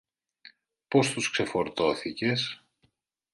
Πώς τους ξεφορτώθηκες;